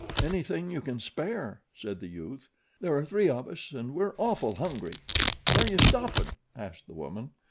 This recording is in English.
"Anything you can spare," said the youth. "There are three of us and we're awful hungry." "Where yew stoppin'?" asked the woman.